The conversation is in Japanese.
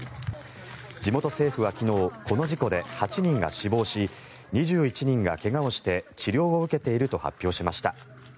地元政府は昨日この事故で８人が死亡し２１人が怪我をして治療を受けていると発表しました。